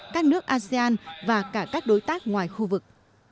các nước asean và cả các đối tác ngoài khu vực